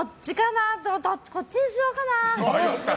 こっちにしようかな。